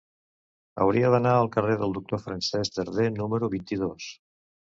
Hauria d'anar al carrer del Doctor Francesc Darder número vint-i-dos.